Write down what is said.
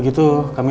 baik teman nino